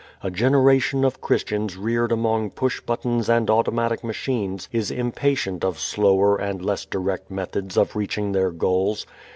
A generation of Christians reared among push buttons and automatic machines is impatient of slower and less direct methods of reaching their goals.